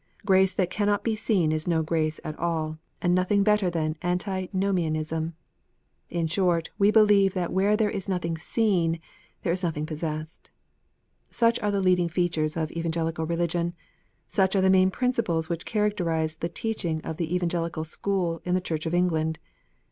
Grace that cannot be seen is no grace at all, and nothing better than Antinomianism. In short, we believe that where there is nothing seen, there is nothing pos sessed. Such are the leading features of Evangelical Eeligion. Such are the main principles whicli characterize the teaching of the Evangelical school in the Church of England.